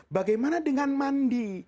bagaimana dengan mandi